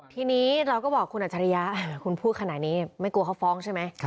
ทีนี้เราก็บอกคุณอัจฉริยะคุณพูดขนาดนี้ไม่กลัวเขาฟ้องใช่ไหม